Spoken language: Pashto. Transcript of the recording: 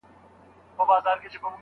د انسان په وينه گډ دي فسادونه